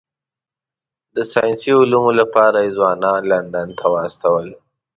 د ساینسي علومو لپاره یې ځوانان لندن ته واستول.